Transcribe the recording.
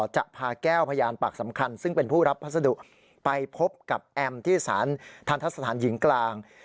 จะพาแก้วพยานปากสำคัญซึ่งเป็นผู้รับพัสดุไปพบกับแอมที่สารทันทะสถานหญิงกลาง